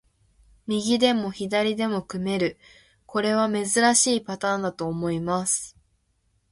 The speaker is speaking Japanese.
右でも左でも組める、これは珍しいパターンだと思います。